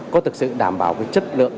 có thực sự đảm bảo cái chất lượng